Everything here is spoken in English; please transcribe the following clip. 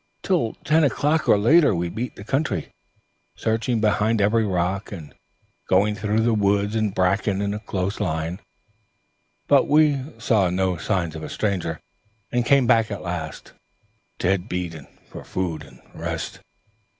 Till ten o'clock or later we beat the country, searching behind every rock, and going through the woods and bracken in a close line. But we saw no sign of a stranger, and came back at last, dead beat, for food and a rest.